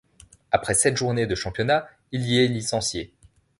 Après sept journées de championnat, il y est licencié.